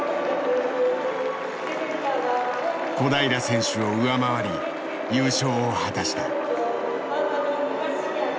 小平選手を上回り優勝を果たした。